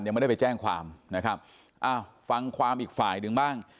ยังไม่ได้ไปแจ้งความนะครับอ้าวฟังความอีกฝ่ายหนึ่งบ้าง